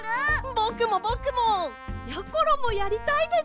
ぼくもぼくも！やころもやりたいです！